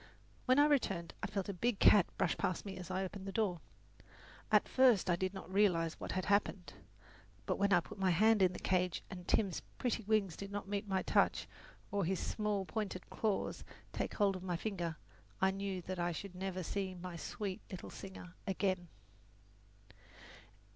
When I returned I felt a big cat brush past me as I opened the door. At first I did not realize what had happened; but when I put my hand in the cage and Tim's pretty wings did not meet my touch or his small pointed claws take hold of my finger, I knew that I should never see my sweet little singer again.